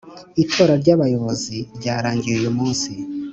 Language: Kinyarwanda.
Itora ry ‘abayobozi ryarangiye uyumunsi.